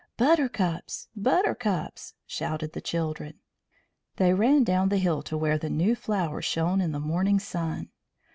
"Buttercups! Buttercups!" shouted the children. They ran down the hill to where the new flowers shone in the morning sun.